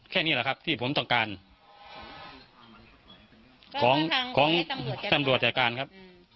แค่นี้แหละครับที่ผมต้องการของของตำรวจจัดการครับ